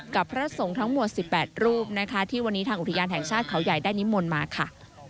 พระสงฆ์ทั้งหมด๑๘รูปนะคะที่วันนี้ทางอุทยานแห่งชาติเขาใหญ่ได้นิมนต์มาค่ะ